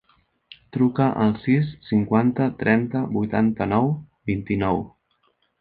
Truca al sis, cinquanta, trenta, vuitanta-nou, vint-i-nou.